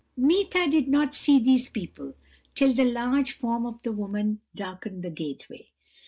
"Meeta did not see these people till the large form of the woman darkened the gateway.